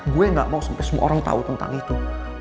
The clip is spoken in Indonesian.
gue gak mau sampe semua orang tau tentang itu